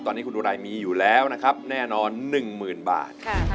ตอนนี้คุณวัล่ามีอยู่แล้วนะครับแน่นอน๑หมื่นบาท